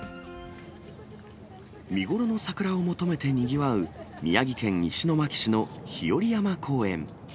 見頃の桜を求めてにぎわう、宮城県石巻市の日和山公園。